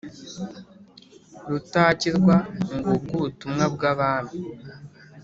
rutakirwa , ngubwo ubutumwa bw'abami,